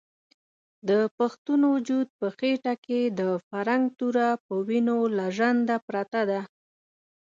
د پښتون وجود په خېټه کې د فرنګ توره په وینو لژنده پرته ده.